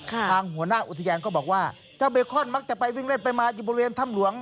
หัวหน้าอุทยานก็บอกว่าเจ้าเบคอนมักจะไปวิ่งเล่นไปมาอยู่บริเวณถ้ำหลวง